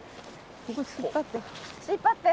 引っ張って。